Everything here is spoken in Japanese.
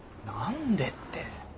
何でって。